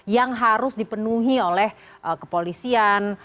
yang harus dipenuhi oleh kepolisian